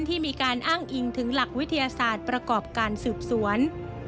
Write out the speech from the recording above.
ที่มีการอ้างอิงถึงหลักวิทยาศาสตร์ประกอบการสืบสวน